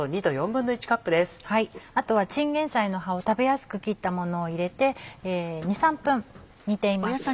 あとはチンゲンサイの葉を食べやすく切ったものを入れて２３分煮ています。